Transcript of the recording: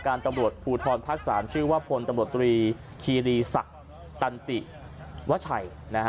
ตำรวจภูทรภาค๓ชื่อว่าพลตำรวจตรีคีรีศักดิ์ตันติวัชัย